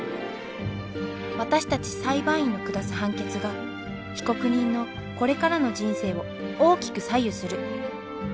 私たち裁判員の下す判決が被告人のこれからの人生を大きく左右する。